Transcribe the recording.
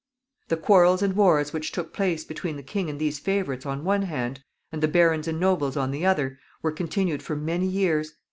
The quarrels and wars which took place between the king and these favorites on one hand, and the barons and nobles on the other, were continued for many years.